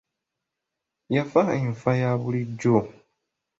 Yafa enfa ya bulijjo.